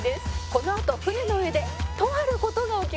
「このあと舟の上でとある事が起きます」